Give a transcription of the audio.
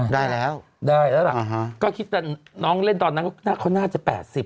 ได้แล้วหรือเปล่าก็คิดว่าน้องเล่นตอนนั้นเขาน่าจะ๘๐